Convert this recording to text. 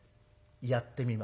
やってみます。